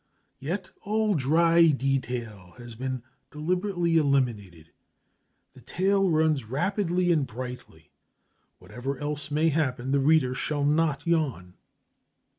Yet all dry detail has been deliberately eliminated; the tale runs rapidly and brightly. Whatever else may happen, the reader shall not yawn.